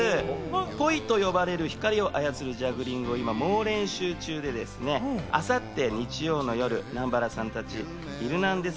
ポイと呼ばれる光を操るジャグリングを今、猛練習中で明後日日曜の夜、南原さんたち『ヒルナンデス！』